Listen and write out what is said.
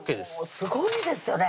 すごいですよね！